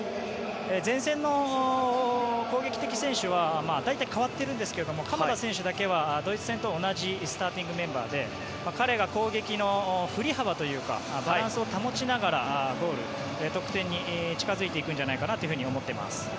前線の攻撃的選手は大体、代わってるんですが鎌田選手だけはドイツ戦と同じスターティングメンバーで彼が攻撃の振り幅というかバランスを保ちながらゴール、得点に近付いていくんじゃないかと思っています。